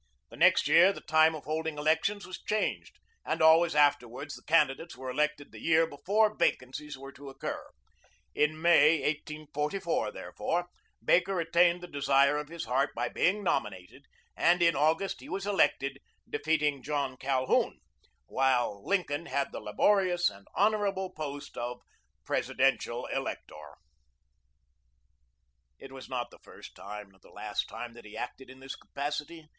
The next year the time of holding elections was changed, and always afterwards the candidates were elected the year before vacancies were to occur. In May, 1844, therefore, Baker attained the desire of his heart by being nominated, and in August he was elected, defeating John Calhoun, while Lincoln had the laborious and honorable post of Presidential Elector. [Illustration: BRIG. GEN. JAMES SHIELDS.] It was not the first nor the last time that he acted in this capacity.